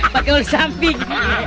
pakai oli samping